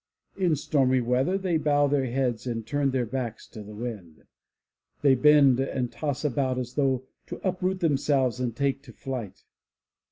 In stormy weather they bow their heads and turn their backs to the wind. They bend and toss about as though to uproot them selves and take to flight.